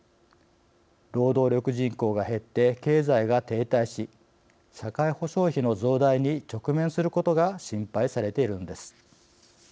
労働力人口が減って経済が停滞し社会保障費の増大に直面することが心配されているんです。